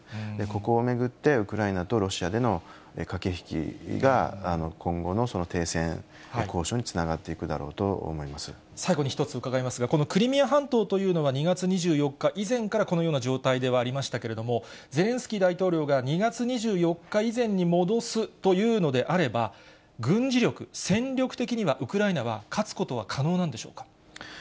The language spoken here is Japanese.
ここを巡ってウクライナとロシアでの駆け引きが今後の停戦交渉に最後に１つ伺いますが、このクリミア半島というのは、２月２４日以前からこのような状態ではありましたけれども、ゼレンスキー大統領が２月２４日以前に戻すというのであれば、軍事力、戦力的にはウクライナは勝つことは可能なんでしょうか。